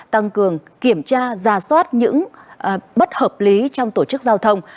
tăng cường kiểm tra ra soát những bất hợp lý trong tổ chức giao thông